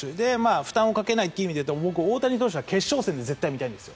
負担をかけないという意味では僕は大谷選手は決勝戦で絶対に見たいんですよ。